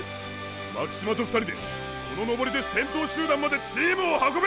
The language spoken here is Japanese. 巻島と２人でこの登りで先頭集団までチームを運べ！